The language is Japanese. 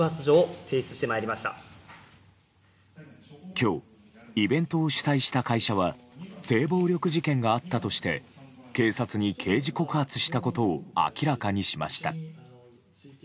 今日イベントを主催した会社は性暴力事件があったとして警察に刑事告発したことを明らかにしました。